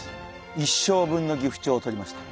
一生分のギフチョウをとりました。